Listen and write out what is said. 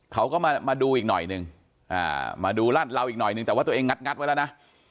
เขาก็มาดูอีกหน่อยนึงมาดูรัดเราอีกหน่อยนึงแต่ว่าตัวเองงัดไว้แล้วนะ